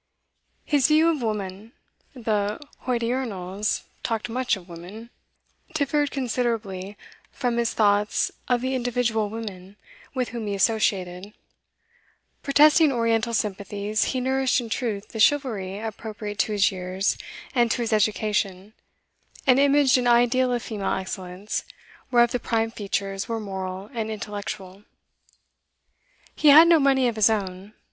His view of woman the Hodiernals talked much of woman differed considerably from his thoughts of the individual women with whom he associated; protesting oriental sympathies, he nourished in truth the chivalry appropriate to his years and to his education, and imaged an ideal of female excellence whereof the prime features were moral and intellectual. He had no money of his own.